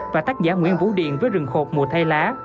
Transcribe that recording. và tác giả nguyễn vũ điền với rừng khột mùa thay lá